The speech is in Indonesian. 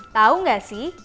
tahu nggak sih